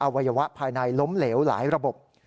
วัยวะภายในล้มเหลวหลายระบบ